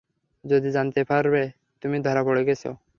যদি জানতে পারে তুমি ধরা পড়ে গেছো।